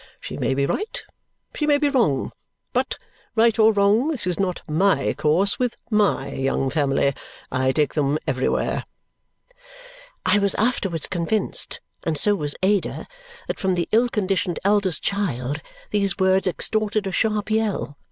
She may be right, she may be wrong; but, right or wrong, this is not my course with MY young family. I take them everywhere." I was afterwards convinced (and so was Ada) that from the ill conditioned eldest child, these words extorted a sharp yell.